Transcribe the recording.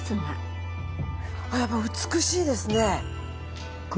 やっぱり美しいですね。